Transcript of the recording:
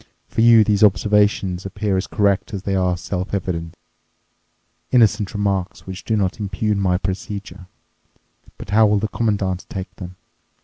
For you these observations appear as correct as they are self evident—innocent remarks which do not impugn my procedure. But how will the Commandant take them?